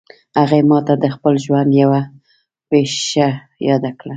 هغې ما ته د خپل ژوند یوه پېښه یاده کړه